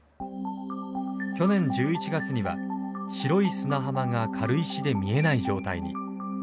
去年１１月には白い砂浜が軽石で見えない状態に。